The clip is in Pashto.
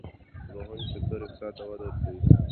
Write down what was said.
د پوهنې سکتور اقتصاد ته وده ورکوي